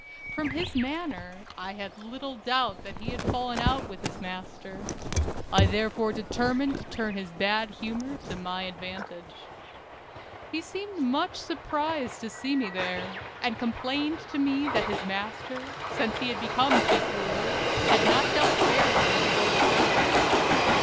From his manner, I had little doubt that he had fallen out with his 230 THE CARAVAN '. master. I therefore determined to turn his bad humor to my advantage. He seemed much surprised to see me there, and complained to me that his master, since he had become chief ruler, had not dealt fairly with his old servants.